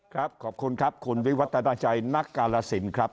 ครับขอบคุณครับคุณวิวัตนาชัยนักกาลสินครับ